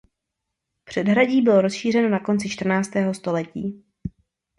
Předhradí bylo rozšířeno na konci čtrnáctého století.